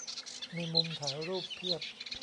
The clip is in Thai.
มีมุมถ่ายรูปเพียบ